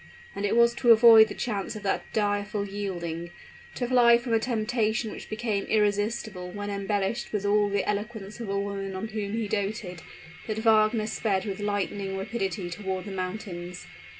And it was to avoid the chance of that direful yielding to fly from a temptation which became irresistible when embellished with all the eloquence of a woman on whom he doted, that Wagner sped with lightning rapidity toward the mountains.